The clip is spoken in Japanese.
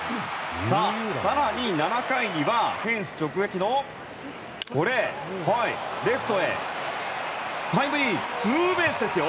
更に７回にはフェンス直撃のこれ、レフトへタイムリーツーベースですよ！